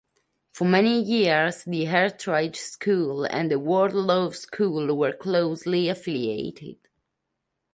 For many years, the Hartridge School and the Wardlaw School were closely affiliated.